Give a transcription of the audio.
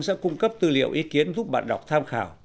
sẽ cung cấp tư liệu ý kiến giúp bạn đọc tham khảo